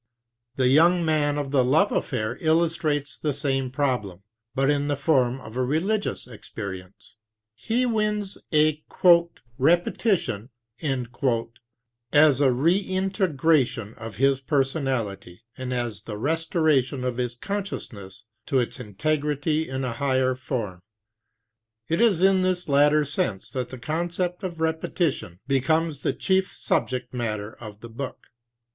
The young man of the love affair illustrates the same problem, but in the form of a religious experience. He wins a "repetition" as a redintegration of his personality, and as the restoration of his consciousness to its integrity in a higher form. It is in this latter sense that the concept of Repetition becomes the chief subject matter of the book.